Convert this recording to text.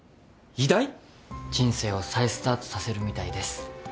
人生を再スタートさせるみたいです。